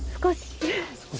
少し。